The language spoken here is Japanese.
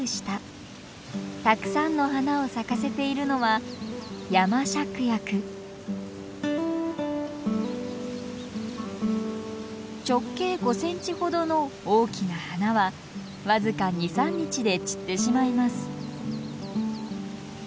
たくさんの花を咲かせているのは直径５センチほどの大きな花は僅か２３日で散ってしまいます。